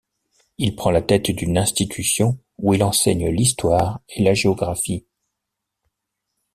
Il prend la tête d'une institution où il enseigne l'histoire et la géographie.